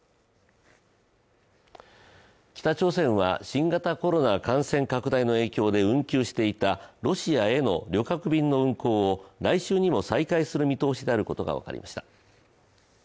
北朝鮮は新型コロナ感染拡大の影響で運休していた、ロシアへの旅客便の運航を来週にも再開する見通しであることが分かりました。